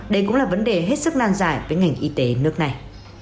đây cũng là vấn đề hết sức nan giải với ngành y tế nước này